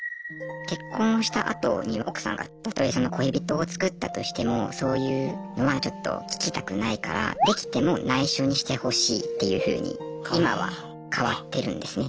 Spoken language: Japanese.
結婚したあとに奥さんがたとえ恋人を作ったとしてもそういうのはちょっと聞きたくないからっていうふうに今は変わってるんですね。